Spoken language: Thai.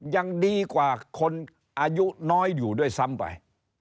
ยังดีกว่าคนอายุน้อยอยู่ด้วยซ้ำไป